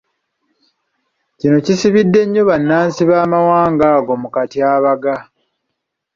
Kino kisibidde nnyo bannansi b’amawanga ago mu katyabaga.